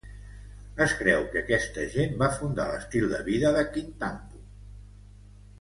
Es creu que aquesta gent va funda l'estil de vida de Kintampo.